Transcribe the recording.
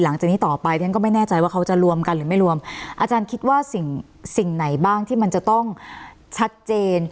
หลังจากนี้ต่อไปฉันก็ไม่แน่ใจว่าเขาจะรวมกันหรือไม่รวมอาจารย์คิดว่าสิ่งสิ่งไหนบ้างที่มันจะต้องชัดเจน